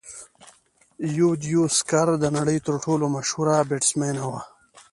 یوديوسکر د نړۍ تر ټولو مشهوره بیټسمېنه وه.